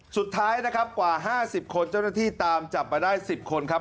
สุดท้ายนะครับกว่า๕๐คนเจ้าหน้าที่ตามจับมาได้๑๐คนครับ